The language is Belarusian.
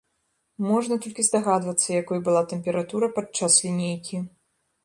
Можна толькі здагадвацца, якой была тэмпература падчас лінейкі.